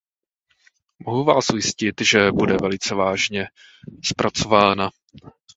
Mohu vás ujistit, že bude velice vážně zpracována.